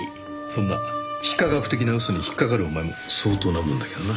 そんな非科学的な嘘に引っかかるお前も相当なもんだけどな。